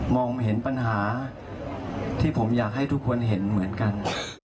เห็นปัญหาที่ผมอยากให้ทุกคนเห็นเหมือนกัน